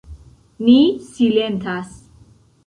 Ni silentas.